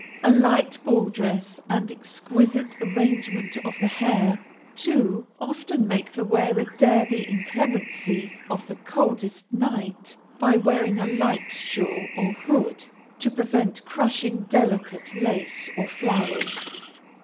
A light ball dress and exquisite arrangement of the hair, too often make the wearer dare the inclemency of the coldest night, by wearing a light shawl or hood, to prevent crushing delicate lace or flowers.